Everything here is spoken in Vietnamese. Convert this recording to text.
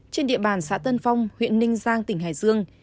trên địa bàn xã tân phong huyện ninh giang tỉnh hải dương